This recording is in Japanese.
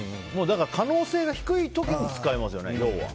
可能性が低い時に使いますよね。